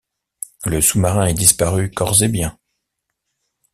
Le sous-marin est disparu corps et biens.